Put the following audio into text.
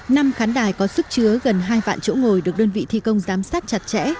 năm khán đài có sức chứa gần hai vạn chỗ ngồi được đơn vị thi công giám sát chặt chẽ